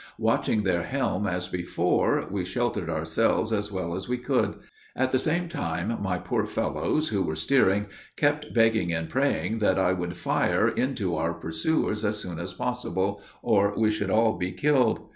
Watching their helm as before, we sheltered ourselves as well as we could; at the same time, my poor fellows who were steering, kept begging and praying that I would fire into our pursuers as soon as possible, or we should be all killed.